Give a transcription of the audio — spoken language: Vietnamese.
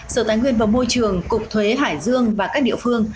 sở tài nguyên và môi trường cục thuế hải dương và các địa phương